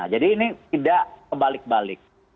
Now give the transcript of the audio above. jadi ini tidak kebalik balik